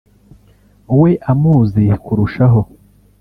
we amuzi kurushaho